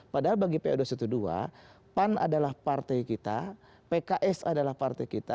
padahal bagi pa dua ratus dua belas pan adalah partai kita pks adalah partai kita